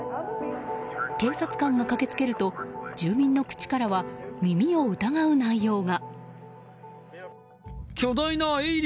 警察官が駆けつけると住民の口からは耳を疑う内容が。